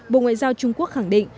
bộ ngoại giao trung quốc khẳng định